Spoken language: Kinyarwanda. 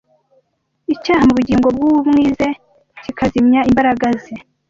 Icyaha mu bugingo bw'umwize kikazimya imbaraga Ze